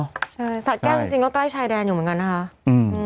ใช่สะแก้วจริงจริงก็ใกล้ชายแดนอยู่เหมือนกันนะคะอืม